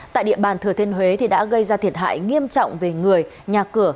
tại địa bàn thừa thiên huế đã gây ra thiệt hại nghiêm trọng về người nhà cửa